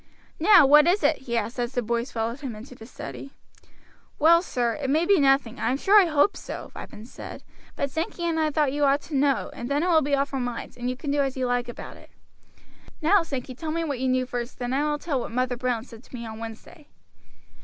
"Now, what is it?" he asked as the boys followed him into the study. "Well, sir, it may be nothing, I am sure I hope so," Ripon said, "but Sankey and I thought you ought to know and then it will be off our minds, and you can do as you like about it. Now, Sankey, tell what you knew first, then I will tell what Mother Brown said to me on Wednesday."